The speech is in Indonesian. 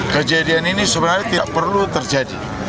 kejadian ini sebenarnya tidak perlu terjadi